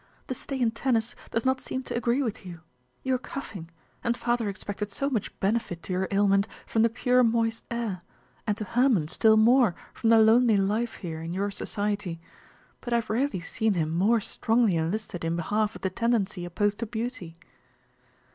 The stay in Tennis does not seem to agree with you you are coughing, and father expected so much benefit to your ailment from the pure moist air, and to Hermon still more from the lonely life here in your society. But I have rarely seen him more strongly enlisted in behalf of the tendency opposed to beauty."